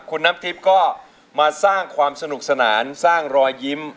คุณน้ำทิพย์ก็มาสร้างความสนุกสนานสร้างรอยยิ้ม